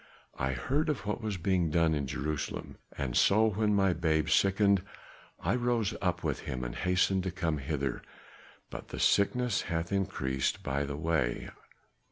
I heard of what was being done in Jerusalem, and so when my babe sickened I rose up with him and hastened to come hither, but the sickness hath increased by the way.